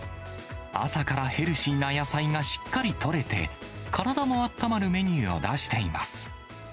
朝からヘルシーな野菜がしっかりとれて、体もあったまるメニューを出しています。